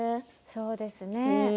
そうですね。